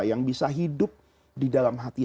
yang bisa hidup di dalam hati